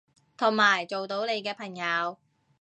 同埋做到你嘅朋友